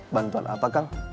bantuan apa kang